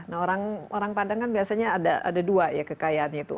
nah orang padang kan biasanya ada dua ya kekayaannya itu